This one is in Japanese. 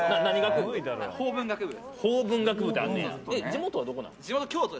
地元はどこなん？